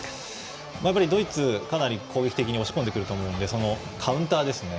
ドイツ、かなり攻撃的に押し込んでくると思うのでカウンターですね。